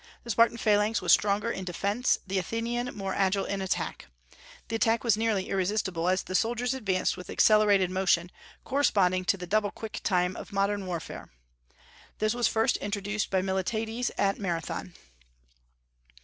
The Spartan phalanx was stronger in defence, the Athenian more agile in attack. The attack was nearly irresistible, as the soldiers advanced with accelerated motion, corresponding to the double quick time of modern warfare. This was first introduced by Miltiades at Marathon.